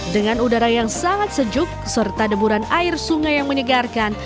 dengan udara yang sangat sejuk serta deburan air sungai yang menyegarkan